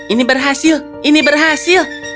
ini berhasil ini berhasil